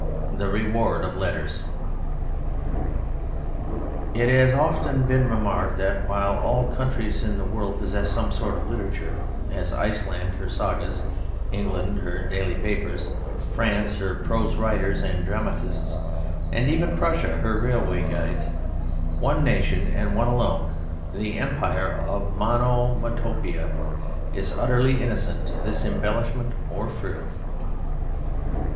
The Reward of Letters It has often been remarked that while all countries in the world possess some sort of literature, as Iceland her Sagas, England her daily papers, France her prose writers and dramatists, and even Prussia her railway guides, one nation and one alone, the Empire of Monomotopa, is utterly innocent of this embellishment or frill.